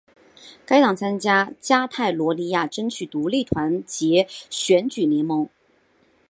该党参加加泰罗尼亚争取独立团结选举联盟。